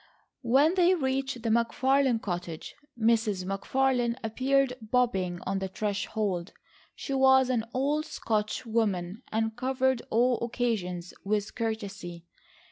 When they reached the McFarlane cottage, Mrs. McFarlane appeared bobbing on the threshold. She was an old Scotch woman and covered all occasions with courtesy.